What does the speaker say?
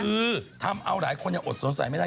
คือซึ่งทำวายหลายคนที่เกิดสนศักดิ์ไม่ได้